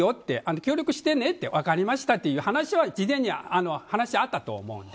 協力してね、分かりましたという話は事前にあったと思うので。